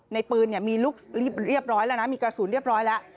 ปืนมีลูกเรียบร้อยแล้วนะมีกระสุนเรียบร้อยแล้ว